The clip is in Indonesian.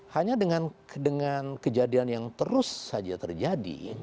hanya dengan kejadian yang terus saja terjadi